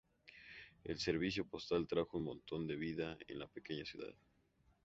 El servicio postal trajo un montón de la vida en la pequeña ciudad.